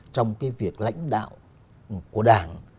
cái việc lãnh đạo của đảng